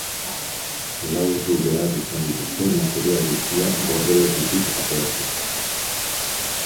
Lau ordu behar izan dituzte material guztia gordelekutik ateratzeko.